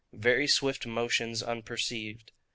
Very swift motions unperceived.